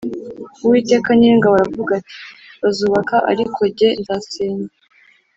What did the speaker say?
Uwiteka Nyiringabo aravuga ati “Bazubaka ariko jye nzasenya